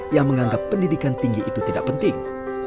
yang menganggap pendidikan tinggi itu tidak penting